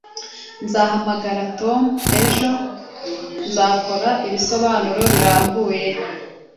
Nzahamagara Tom ejo nzakora ibisobanuro birambuye